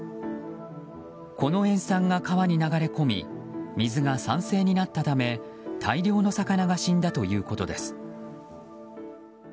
この塩酸が川に流れ込み水が酸性になったため大量の魚が死んだということです。